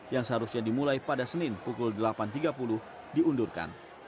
yang seharusnya dimulai pada senin pukul delapan tiga puluh diundurkan